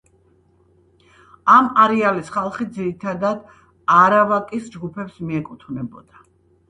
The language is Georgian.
ამ არეალის ხალხი ძირითადად არავაკის ჯგუფებს მიეკუთვნებოდა.